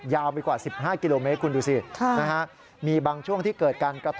ถึงขั้นจะหวิดประทะกันแล้วนะครับ